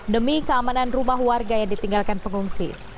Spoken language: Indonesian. demi keamanan rumah warga yang ditinggalkan pengungsi